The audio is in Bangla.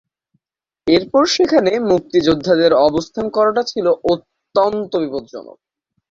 এরপর সেখানে মুক্তিযোদ্ধাদের অবস্থান করাটা ছিল অত্যন্ত বিপজ্জনক।